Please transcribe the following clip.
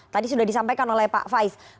tadi sudah disampaikan oleh pak faiz